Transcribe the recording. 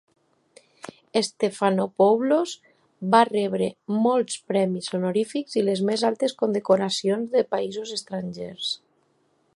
Stephanopoulos va rebre molts premis honorífics i les més altes condecoracions de països estrangers.